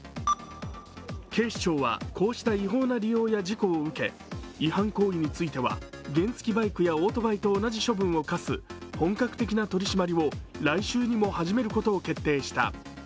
警視庁はこうした違法な利用や事故を受け、違反行為については原付バイクやオートバイと同じ処分を科す本格的な取り締まりを来週にも始めることを決定した。